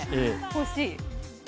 欲しい。